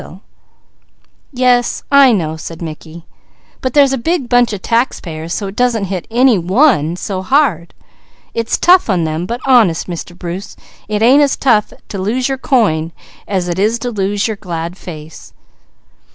asked Douglas. "Yes, I know," said Mickey. "But there's a big bunch of taxpayers, so it doesn't hit any one so hard. It's tough on them, but honest, Mr. Bruce, it ain't as tough to lose your coin as it is to lose your glad face.